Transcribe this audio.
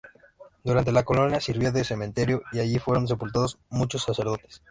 Durante la colonia sirvió de cementerio, y allí fueron sepultados muchos sacerdotes.